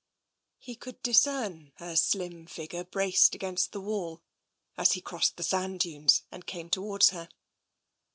He could discern her slim figure braced against the wall as he crossed the sand dunes and came towards her.